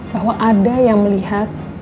bahwa ada yang melihat elsa dengan roy